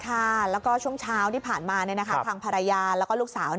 ค่ะแล้วก็ช่วงเช้าที่ผ่านมาทางภรรยาแล้วก็ลูกสาว